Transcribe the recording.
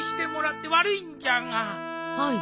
はい。